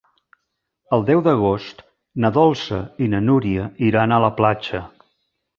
El deu d'agost na Dolça i na Núria iran a la platja.